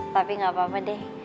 tapi gak apa apa deh